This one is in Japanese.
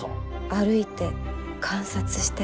歩いて観察して。